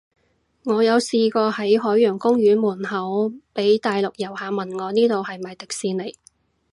我有試過喺海洋公園門口，被大陸遊客問我呢度係咪迪士尼